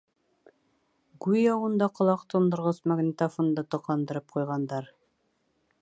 Гүйә, унда ҡолаҡ тондорғос магнитофонды тоҡандырып ҡуйғандар.